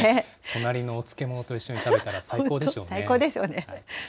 隣のお漬物と一緒に食べたら、最高でしょうね。